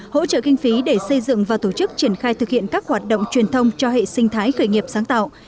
hỗ trợ kinh phí để xây dựng và tổ chức triển khai thực hiện các hoạt động truyền thông cho hệ sinh thái khởi nghiệp sáng tạo